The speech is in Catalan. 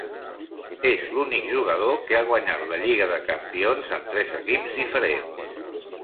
És l'únic jugador que ha guanyat la Lliga de Campions amb tres equips diferents.